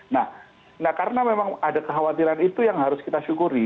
nah karena memang ada kekhawatiran itu yang harus kita syukuri